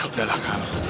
udah lah kamu